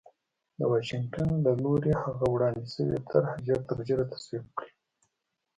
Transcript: د واشنګټن له لوري هغه وړاندې شوې طرح ژرترژره تصویب کړي